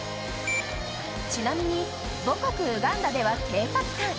ちなみに母国ウガンダでは警察官。